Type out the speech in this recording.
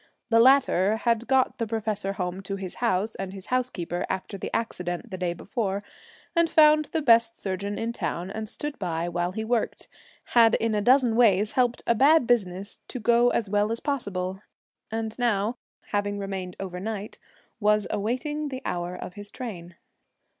The latter had got the professor home to his house and his housekeeper after the accident the day before, had found the best surgeon in town and stood by while he worked, had in a dozen ways helped a bad business to go as well as possible, and now, having remained over night, was awaiting the hour of his train.